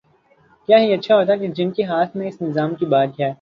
کیا ہی اچھا ہو کہ جن کے ہاتھ میں اس نظام کی باگ ہے۔